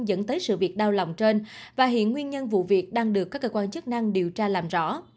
dẫn tới sự việc đau lòng trên và hiện nguyên nhân vụ việc đang được các cơ quan chức năng điều tra làm rõ